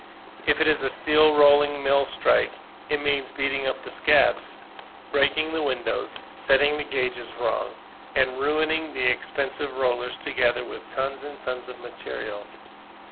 If it is a steel rolling mill strike, it means beating up the scabs, breaking the windows, setting the guages wrong, and ruining the expensive rollers together with tons and tons of material.